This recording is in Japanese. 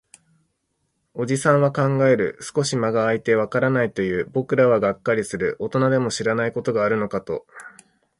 おじさんは考える。少し間が空いて、わからないと言う。僕らはがっかりする。大人でも知らないことがあるのかと。